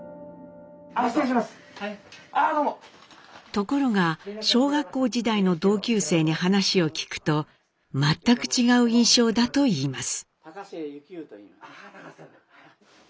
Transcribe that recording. ところが小学校時代の同級生に話を聞くと全く違う印象だといいます。